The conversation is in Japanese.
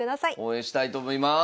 応援したいと思います。